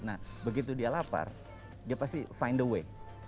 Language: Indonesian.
nah begitu dia lapar dia pasti find the way